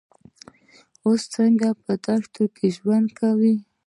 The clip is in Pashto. اوښ څنګه په دښته کې ژوند کوي؟